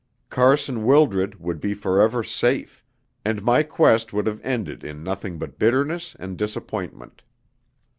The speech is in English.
Carson Wildred would be for ever safe, and my quest would have ended in nothing but bitterness and disappointment.